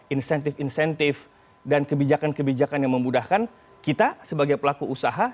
insentif insentif dan kebijakan kebijakan yang memudahkan kita sebagai pelaku usaha